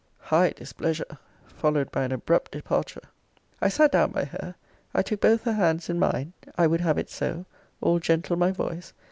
High displeasure! followed by an abrupt departure. I sat down by her. I took both her hands in mine. I would have it so. All gentle my voice.